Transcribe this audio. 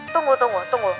tunggu tunggu tunggu